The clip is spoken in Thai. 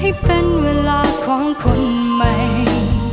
ให้เป็นเวลาของคนใหม่